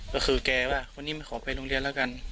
ก็คือแกว่าวันนี้ไม่ขอไปโรงเรียนแล้วกัน